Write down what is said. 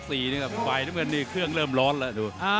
ฝ่ายน้ำเงินนี่เครื่องเริ่มร้อนแล้วดู